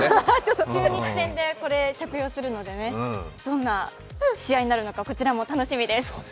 中日戦でこれ着用するのでどんな試合になるのかこちらも楽しみです。